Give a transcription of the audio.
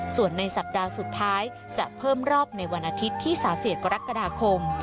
ส่วนในสัปดาห์สุดท้ายจะเพิ่มรอบในวันอาทิตย์ที่๓๑กรกฎาคม